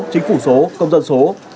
chính phủ số công dân số